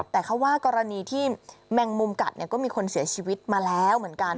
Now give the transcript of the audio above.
แต่เขาว่ากรณีที่แมงมุมกัดก็มีคนเสียชีวิตมาแล้วเหมือนกัน